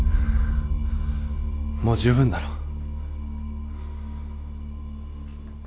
もう十分だろ。